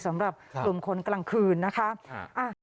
สำหรับครับลุมคนกลางคืนนะคะอ่า